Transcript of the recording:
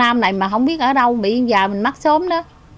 năm nay mà không biết ở đâu bị ông già mình mắc xóm đó